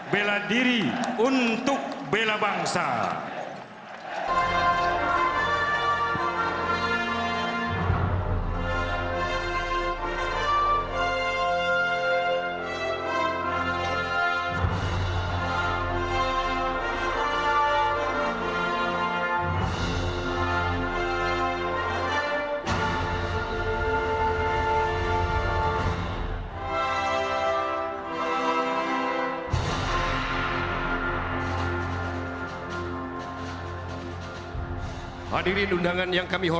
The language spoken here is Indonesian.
bela diri untuk bela bangsa